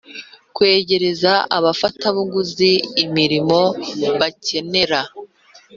Kwegereza abafatabuguzi imirimo bakenera